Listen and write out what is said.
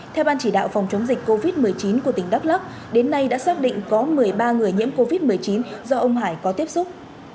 theo ban chỉ đạo phòng chống dịch covid một mươi chín của tỉnh đắk lắc đến nay đã xác định có một mươi ba người nhiễm covid một mươi chín do ông hải có tiếp xúc